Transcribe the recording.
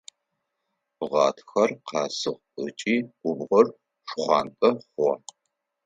Гъатхэр къэсыгъ ыкӏи губгъор шхъуантӏэ хъугъэ.